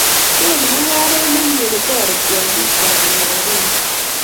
Konu mungaret ne mie kotoreti olikwak konyor robinik